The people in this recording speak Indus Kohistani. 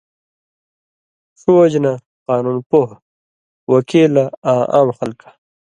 ݜُو وجہۡ نہ قانُون پوہہۡ، وکیلہ آں عام خلکہ